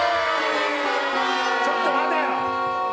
ちょっと待てよ！